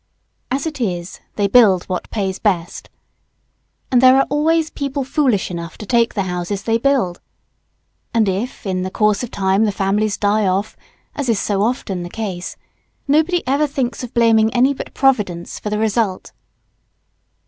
As it is, they build what pays best. And there are always people foolish enough to take the houses they build. And if in the course of time the families die off, as is so often the case, nobody ever thinks of blaming any but Providence for the result.